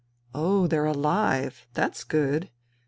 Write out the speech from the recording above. " Oh, they're alive. That's good.